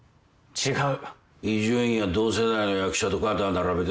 違う！